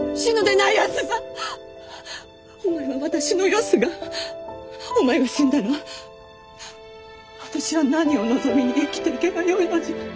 お前は私のよすがお前が死んだら私は何を望みに生きていけばよいのじゃ？